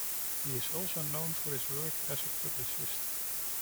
He is also known for his work as a publicist.